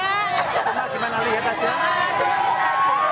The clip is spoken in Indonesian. bagaimana lihat aja